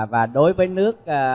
và đối với nước